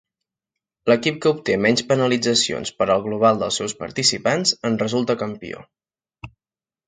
L'equip que obté menys penalitzacions per al global dels seus participants en resulta campió.